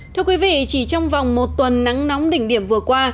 thưa quý vị chỉ trong vòng một tuần nắng nóng đỉnh điểm vừa qua